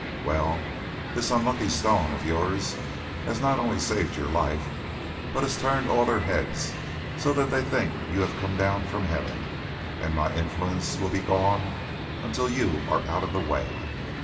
Well, this unlucky stone of yours has not only saved your life, but has turned all their heads so that they think you are come down from heaven, and my influence will be gone until you are out of the way.